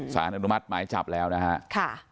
สานอนุมัติศาลหมายจับแล้วนะฮะ